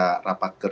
adalah yang terakhir